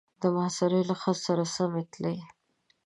د محاصرې له خط سره سمې تلې.